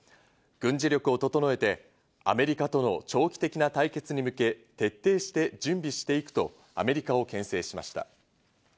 軍事力を整えて、アメリカとの長期的な対決に向け徹底して準備していくとアメリカを牽制しました。